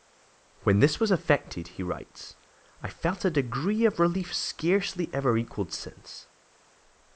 "When this was effected," he writes, "I felt a degree of relief scarcely ever equaled since.